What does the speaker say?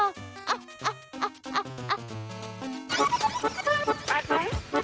อ่ะอ่ะอ่ะอ่ะ